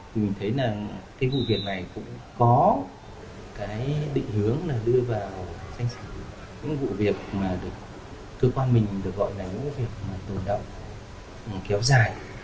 mình thấy là cái vụ việc này cũng có cái định hướng là đưa vào những vụ việc mà cơ quan mình được gọi là vụ việc tồn động kéo dài